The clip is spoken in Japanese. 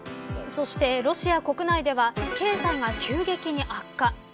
そして、ロシア国内では経済が急激に悪化。